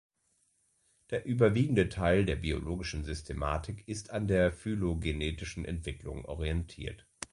Der überwiegende Teil der biologischen Systematik ist an der phylogenetischen Entwicklung orientiert.